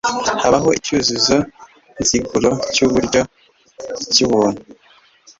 habaho icyuzuzo nziguro cy'uburyo, icy'ahantu